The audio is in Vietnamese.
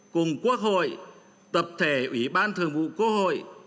cùng quốc hội tập thể ủy ban thường vụ quốc hội